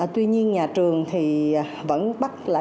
tuy nhiên nhà trường thì vẫn bắt lại